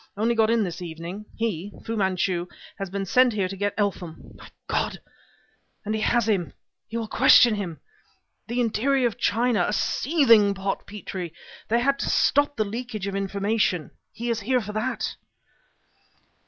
Only got in this evening. He Fu Manchu has been sent here to get Eltham. My God! and he has him! He will question him! The interior of China a seething pot, Petrie! They had to stop the leakage of information. He is here for that."